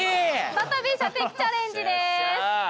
再び射的チャレンジです